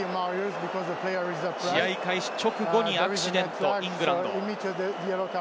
試合開始直後にアクシデント、イングランド。